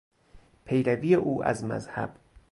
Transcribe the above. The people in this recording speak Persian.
پیروی او از مذهب